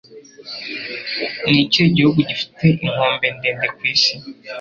Ni ikihe gihugu gifite inkombe ndende ku isi?